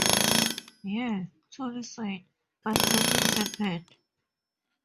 "Yeah," Tuli said, "but nothing happened.